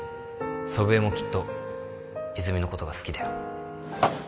祖父江もきっと泉のことが好きだよ